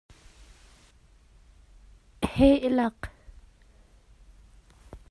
Heh! i lak!